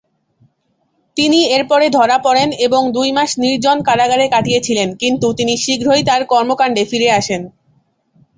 তিনি এর পরে ধরা পড়েন এবং দুই মাস নির্জন কারাগারে কাটিয়েছিলেন, কিন্তু তিনি শীঘ্রই তাঁর কর্মকাণ্ডে ফিরে আসেন।